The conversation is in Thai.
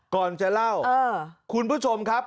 ก่อนจะเล่าคุณผู้ชมครับ